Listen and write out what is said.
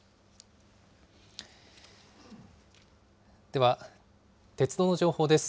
では、鉄道の情報です。